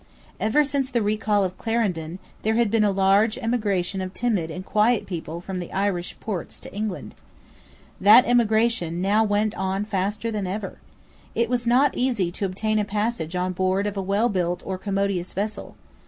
Ever since the recall of Clarendon there had been a large emigration of timid and quiet people from the Irish ports to England. That emigration now went on faster than ever. It was not easy to obtain a passage on board of a well built or commodious vessel.